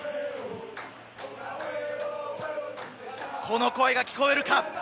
この声が聞こえるか？